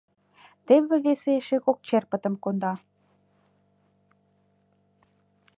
Теве весе эше кок черпытым конда.